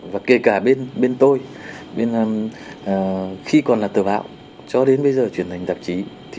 và kể cả bên tôi bên khi còn là tờ báo cho đến bây giờ chuyển thành tạp chí